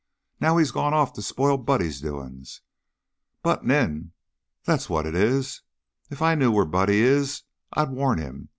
"Now he's gone off to spoil Buddy's doin's. Buttin' in, that's what it is. If I knew where Buddy is, I'd warn him.